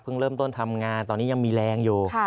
เริ่มต้นทำงานตอนนี้ยังมีแรงอยู่